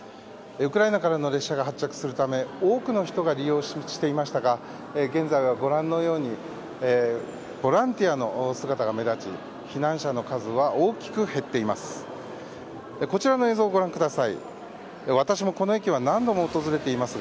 ウクライナからの列車が発着するため多くの人が利用していましたが現在はご覧のようにボランティアの姿が目立ち避難者の数は大きく減っています。